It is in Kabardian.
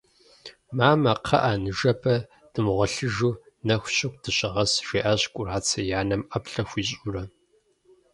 «Мамэ, кхъыӏэ, ныжэбэ дымыгъуэлъыжу, нэху щыху дыщыгъэс» жиӏащ Кӏурацэ и анэм ӏэплӏэ хуищӏурэ.